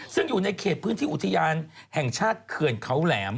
ซึ่งอยู่ในเขตพื้นที่อุทยานแห่งชาติเขื่อนเขาแหลม